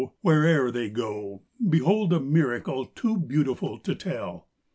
Where'er they go, Behold a miracle Too beautiful to tell!